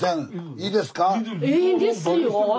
いいですよ。